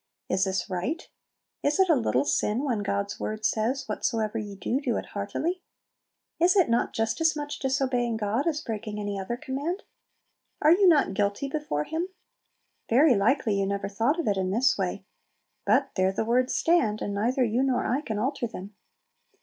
Is this right? Is it a little sin, when God's word says, "Whatsoever ye do, do it heartily!" Is it not just as much disobeying God as breaking any other command? Are you not guilty before Him? Very likely you never thought of it in this way, but there the words stand, and neither you nor I can alter them.